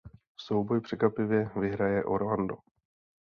Souboj překvapivě vyhraje Orlando.